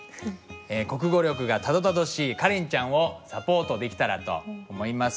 国語力がたどたどしいカレンちゃんをサポートできたらと思います。